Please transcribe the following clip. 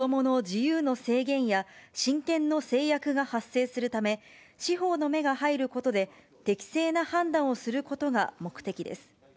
一時保護は、子どもの自由の制限や、親権の制約が発生するため、司法の目が入ることで適正な判断をすることが目的です。